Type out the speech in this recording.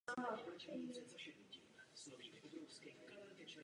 To není patřičná odpověď na hospodářskou krizi.